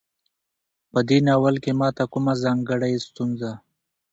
په دې ناول کې ماته کومه ځانګړۍ ستونزه